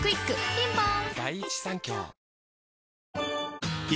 ピンポーン